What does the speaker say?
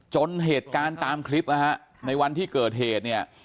จนเหตุการณ์ตามคลิปนะฮะในวันที่เกิดเหตุเนี่ย